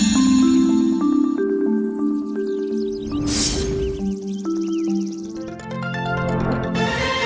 สวัสดีครับ